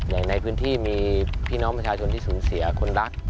อย่างในพื้นที่มีพี่น้องประชาชนที่สูญเสียคนรัก